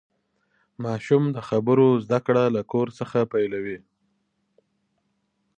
ماشوم د خبرو زدهکړه له کور څخه پیلوي.